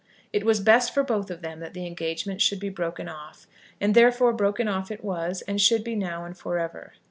It was best for both of them that the engagement should be broken off; and, therefore, broken off it was, and should be now and for ever.